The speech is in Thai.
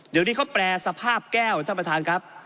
เดี๋ยวนี้เขาแปรสภาพแก้วท่านประธานครับ